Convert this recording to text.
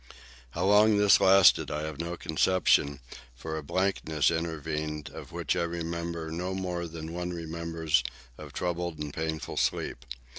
How long this lasted I have no conception, for a blankness intervened, of which I remember no more than one remembers of troubled and painful sleep.